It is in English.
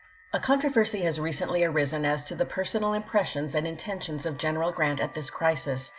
A controversy has recently arisen as to the per sonal impressions and intentions of General Grant at this crisis.